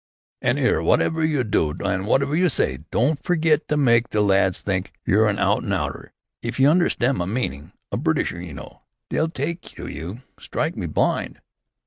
"'An 'ere! Wotever you do an' wotever you s'y, don't forget to myke the lads think you're an out an' outer, if you understand my meaning, a Britisher, you know. They'll tyke to you. Strike me blind!